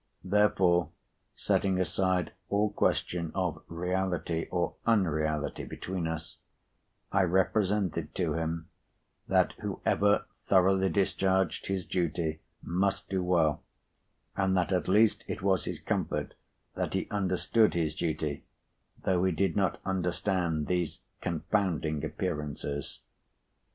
Therefore, setting aside all question of reality or unreality between us, I represented to him that whoever thoroughly discharged his duty, must do well, and that at least it was his comfort that he understood his duty, though he did not understand these confounding Appearances.